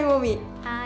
はい。